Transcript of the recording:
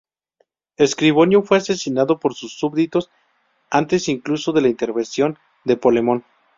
Escribonio fue asesinado por sus súbditos antes incluso de la intervención de Polemón.